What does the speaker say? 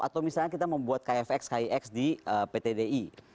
atau misalnya kita membuat kfx kix di pt di